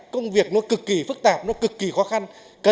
công việc nó cực kỳ phức tạp nó cực kỳ khó khăn